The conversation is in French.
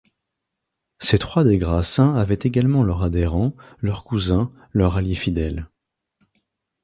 Ces trois des Grassins avaient également leurs adhérents, leurs cousins, leurs alliés fidèles.